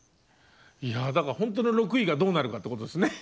いやだからほんとの６位がどうなるかってことですね。